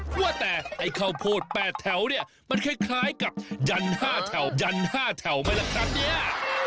ว่าแต่ไอ้ข้าวโพด๘แถวเนี่ยมันคล้ายกับยัน๕แถวยัน๕แถวไหมล่ะครับเนี่ย